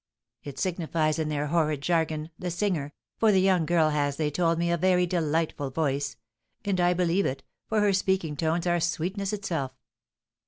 "It signifies in their horrid jargon 'the singer,' for the young girl has, they told me, a very delightful voice; and I believe it, for her speaking tones are sweetness itself."